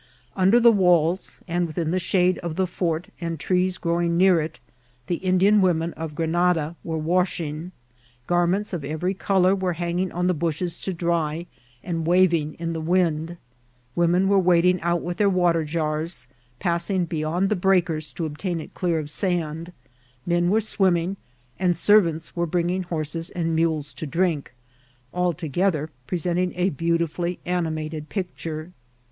Under the waUs, and within the shade <^ the fort and trees growing near it, the Indian women of Grenada were washing; garments of every colour were hanging on the bushes to dry and vmving in the wind ; women were wading out with their water jars, passing beyond the breakers to obtain it clear of sand ; men were swimming, and servants were bringiiig hcvses and mules to drink, all together presenting a beautifully animated picture.